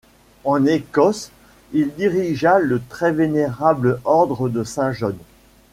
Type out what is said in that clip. En Écosse il dirigea le Très Vénérable Ordre de Saint John.